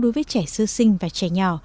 đối với trẻ sơ sinh và trẻ nhỏ